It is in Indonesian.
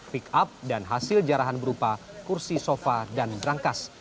pick up dan hasil jarahan berupa kursi sofa dan berangkas